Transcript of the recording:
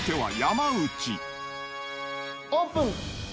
オープン。